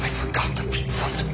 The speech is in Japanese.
どうする？